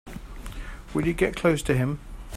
Will you get close to him?